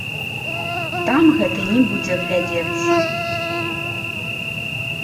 Там гэта не будзе глядзецца.